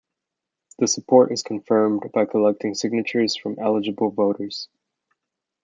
The support is confirmed by collecting signatures from eligible voters.